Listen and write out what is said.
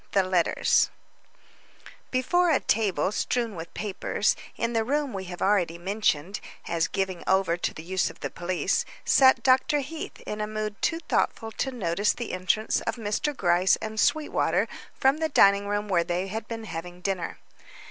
THE LETTERS Before a table strewn with papers, in the room we have already mentioned as given over to the use of the police, sat Dr. Heath in a mood too thoughtful to notice the entrance of Mr. Gryce and Sweetwater from the dining room where they had been having dinner.